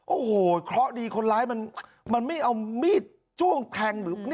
โอ้โหเคราะห์ดีคนร้ายมันไม่เอามีดจ้วงแทงหรือ